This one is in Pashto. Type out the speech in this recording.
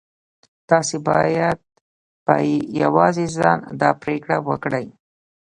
تاسې بايد په يوازې ځان دا پرېکړه وکړئ.